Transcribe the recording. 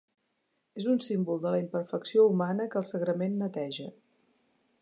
És un símbol de la imperfecció humana, que el sagrament neteja.